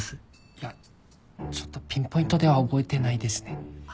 いやちょっとピンポイントでは覚えてないですね。